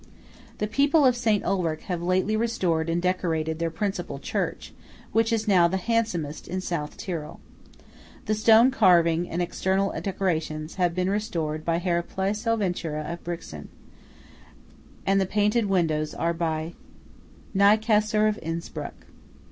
The people of St. Ulrich have lately restored and decorated their principal church, which is now the handsomest in South Tyrol. The stone carvings and external decorations have been restored by Herr Plase Oventura of Brixen, and the painted windows are by Naicaisser of Innspruck.